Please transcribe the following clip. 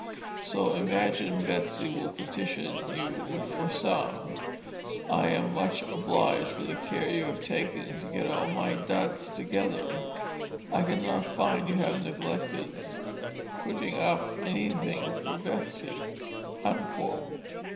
So imagine Betsey will petition you for some. I am much obliged for the care you have taken to get all my Duds together, I cannot find you have neglected putting up anything for Betsey."